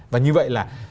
và như vậy là